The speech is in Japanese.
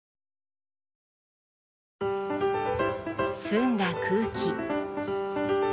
澄んだ空気。